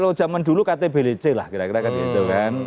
kalau zaman dulu ktblc lah kira kira